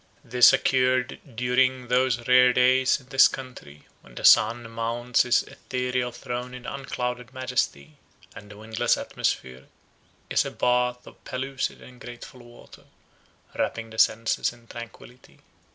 This occurred during those rare days in this country, when the sun mounts his etherial throne in unclouded majesty, and the windless atmosphere is as a bath of pellucid and grateful water, wrapping the senses in tranquillity.